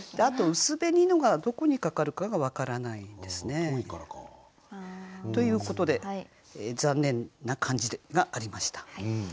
あと「薄紅の」がどこにかかるかが分からないんですね。ということで残念な感じがありました。